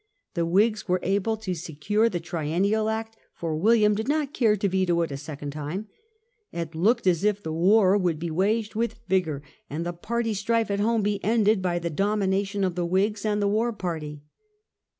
The Whigs were able to secure the Tri ennial Act, for William did not care to veto it a second time; it looked as if the war would be waged with vigour, and the party strife at home be ended by the domination of the Whigs and the war party.